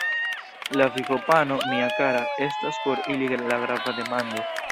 La vivopano, mia kara, estas por ili la grava demando.